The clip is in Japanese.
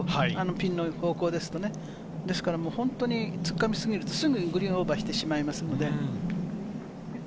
このピンの方向ですと本当に突っ込みすぎると、すぐにグリーンをオーバーしてしまいますので。